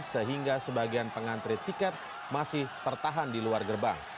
sehingga sebagian pengantri tiket masih tertahan di luar gerbang